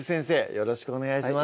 よろしくお願いします